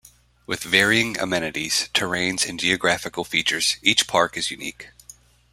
With varying amenities, terrains and geographical features, each park is unique.